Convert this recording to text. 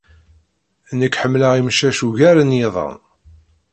Nekk ḥemmleɣ imcac ugar n yiḍan.